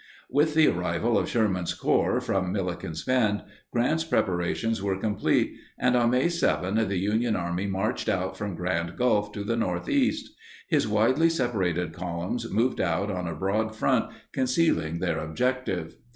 With the arrival of Sherman's Corps from Milliken's Bend, Grant's preparations were complete and, on May 7, the Union Army marched out from Grand Gulf to the northeast. His widely separated columns moved out on a broad front concealing their objective.